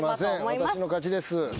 私の勝ちです